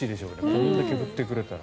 これだけ振ってくれたら。